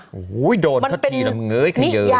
โอ้โหโดนถ้าทีมันเงินกันเยอะ